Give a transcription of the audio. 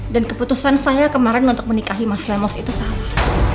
dan keputusan saya kemarin untuk menikahi mas lemos itu salah